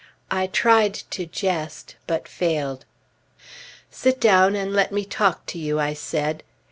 I tried to jest, but failed. "Sit down and let me talk to you," I said.